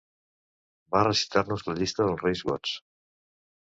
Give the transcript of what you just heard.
Va recitar-nos la llista dels reis gots.